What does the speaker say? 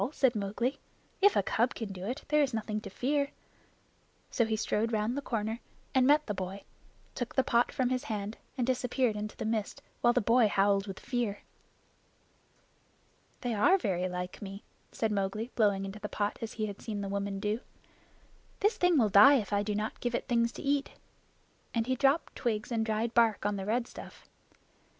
said Mowgli. "If a cub can do it, there is nothing to fear." So he strode round the corner and met the boy, took the pot from his hand, and disappeared into the mist while the boy howled with fear. "They are very like me," said Mowgli, blowing into the pot as he had seen the woman do. "This thing will die if I do not give it things to eat"; and he dropped twigs and dried bark on the red stuff.